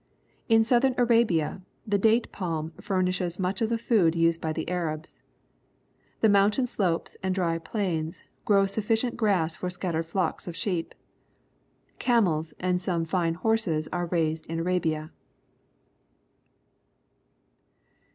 In southern Arabia the date palm furnishes much of the food used by the Arabs. The mountain slopes and dry plains grow suffi cient grass for scattered flocks of sheep. Camels and some fine horses are raised in Arabia.